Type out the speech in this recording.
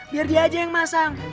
biar dia aja yang masang